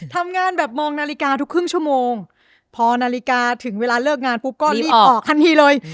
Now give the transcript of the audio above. ทำงานแบบมองนาฬิกาทุกครึ่งชั่วโมงพอนาฬิกาถึงเวลาเลิกงานปุ๊บก็รีบออกทันทีเลย